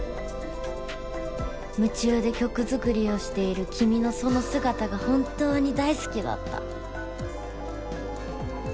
夢中で曲作りをしているキミのその姿が本当に大好きだった